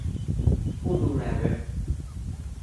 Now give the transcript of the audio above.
ผู้ดูแลเว็บ